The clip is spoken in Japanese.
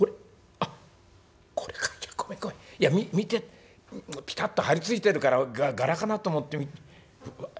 あっこれかごめんごめんいや見てピタッと張り付いてるから柄かなと思って。